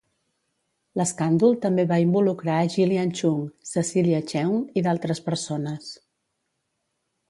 L'escàndol també va involucrar Gillian Chung, Cecilia Cheung i d'altres persones.